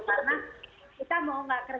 karena kita mau nggak kerja mau kerja